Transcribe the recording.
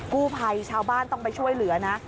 กู้ภัยชาวบ้านต้องไปช่วยเหลือนะ